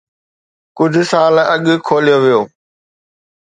ڪجھ سال اڳ کوليو ويو